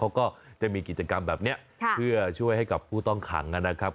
เขาก็จะมีกิจกรรมแบบนี้เพื่อช่วยให้กับผู้ต้องขังนะครับ